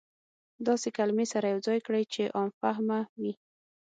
داسې کلمې سره يو ځاى کړى چې عام فهمه وي.